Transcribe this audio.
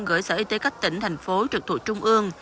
gửi sở y tế các tỉnh thành phố trực thuộc trung ương